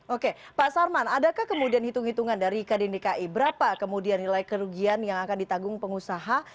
oke pak sarman adakah kemudian hitung hitungan dari kd dki berapa kemudian nilai kerugian yang akan ditanggung pengusaha